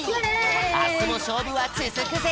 あすもしょうぶはつづくぜ！